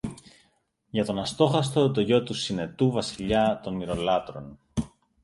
για τον Αστόχαστο, το γιο του Συνετού, Βασιλιά των Μοιρολάτρων.